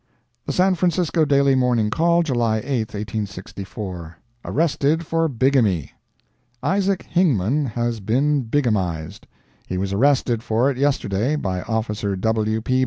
The San Francisco Daily Morning Call, July 8, 1864 ARRESTED FOR BIGAMY Isaac Hingman has been bigamized. He was arrested for it yesterday, by Officer W. P.